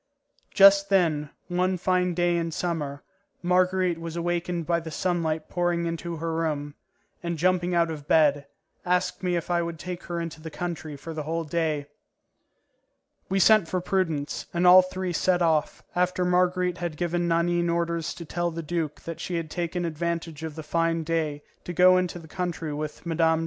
Just then, one fine day in summer, Marguerite was awakened by the sunlight pouring into her room, and, jumping out of bed, asked me if I would take her into the country for the whole day. We sent for Prudence, and all three set off, after Marguerite had given Nanine orders to tell the duke that she had taken advantage of the fine day to go into the country with Mme.